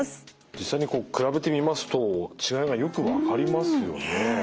実際にこう比べてみますと違いがよく分かりますよね。